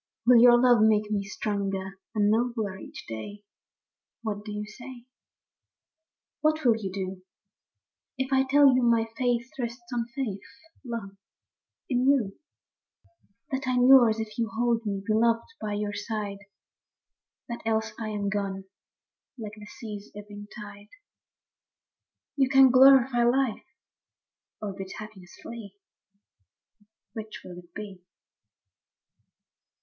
Will your love make me stronger and nobler each day,— What do you say? 33 3 HER BRIDAL EVE. What will you do If I tell you my faith rests on faith, love, in you ; That I 'm yours if you hold me, beloved, by your side ; That else I am gone, like the sea's ebbing tide : You can glorify life, or bid happiness flee : Which will it be